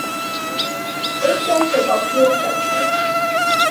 Ik denk dat dat heel prettig is.